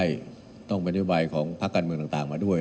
ใช่ต้องเป็นด้วยใบของภาคการเมืองต่างมาด้วย